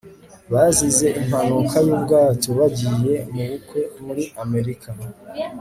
bazize impanuka yubwato bagiye mubukwe muri America